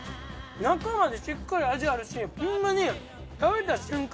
中までしっかり味あるしホンマに食べた瞬間